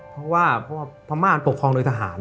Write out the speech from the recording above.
เพราะว่าพระมาทปนค์ปกครองโดยทหาร